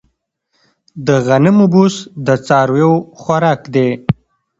د غنمو بوس د څارویو خوراک دی.